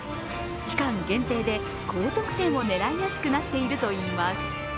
期間限定で高得点を狙いやすくなっているといいます。